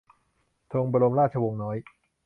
ธงบรมราชวงศ์น้อย